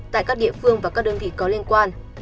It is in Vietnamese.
tại các địa phương và các đơn vị có liên quan